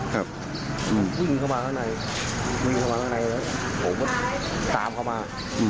วิ่งเข้ามาข้างในวิ่งเข้ามาข้างในแล้วผมก็ตามเขามา